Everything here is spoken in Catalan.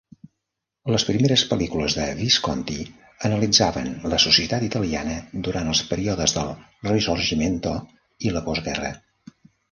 Les primeres pel·lícules de Visconti analitzaven la societat italiana durant els períodes del Risorgimento i la postguerra.